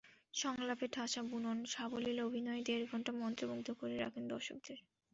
সংলাপে ঠাসা বুনন, সাবলীল অভিনয়ে দেড় ঘণ্টা মন্ত্রমুগ্ধ করে রাখেন দর্শকদের।